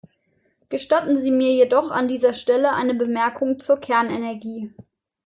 Gestatten Sie mir jedoch an dieser Stelle eine Bemerkung zur Kernenergie.